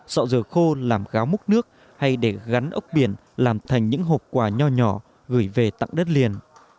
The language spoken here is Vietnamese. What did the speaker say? sọ giờ khô làm gáo múc nước hay để gắn ốc biển làm thành những hộp quà nhỏ nhỏ gửi về tặng đất liền